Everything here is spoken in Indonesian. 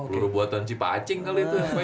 peluru buatan si pak acing kali itu penyok